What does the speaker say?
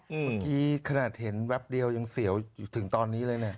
เมื่อกี้ขนาดเห็นแป๊บเดียวยังเสียวอยู่ถึงตอนนี้เลยเนี่ย